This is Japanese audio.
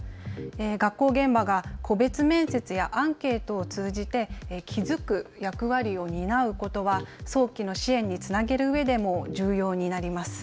学校現場が個別面接やアンケートを通じて気付く役割を担うことは早期の支援につなげるうえでも重要になります。